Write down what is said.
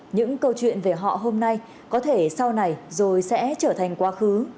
những câu chuyện về họ hôm nay có thể sau này rồi sẽ trở thành quá khứ